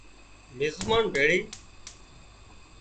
مزمان ڀيۯي